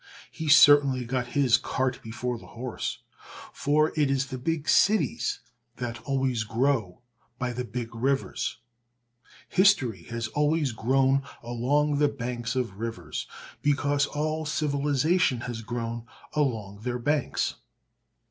He certainly got his "cart before the horse," for it is the big cities that always grow by the big rivers. History has always grown along the banks of rivers, because all civilization has grown along their banks.